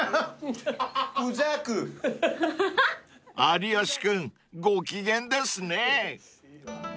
［有吉君ご機嫌ですね］